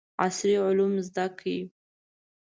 عصري علوم زده کړي.